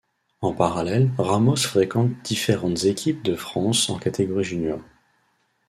En parallèle, Ramos fréquente différentes équipes de France en catégories junior.